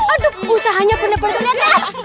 aduh usahanya bener bener tuh liat